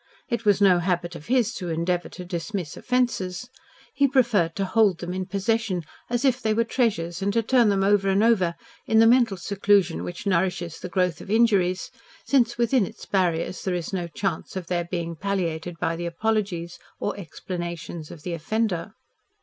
It was no habit of his to endeavour to dismiss offences. He preferred to hold them in possession as if they were treasures and to turn them over and over, in the mental seclusion which nourishes the growth of injuries, since within its barriers there is no chance of their being palliated by the apologies or explanations of the offender.